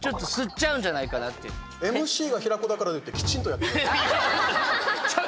ＭＣが平子だからってきちんとやってください。